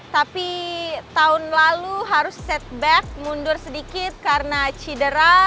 tapi tahun lalu harus setback mundur sedikit karena cedera